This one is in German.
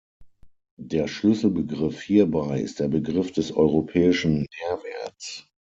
Der Schlüsselbegriff hierbei ist der Begriff des europäischen Mehrwerts.